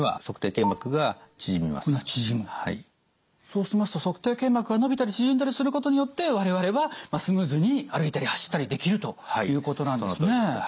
そうしますと足底腱膜が伸びたり縮んだりすることによって我々はスムーズに歩いたり走ったりできるということなんですね。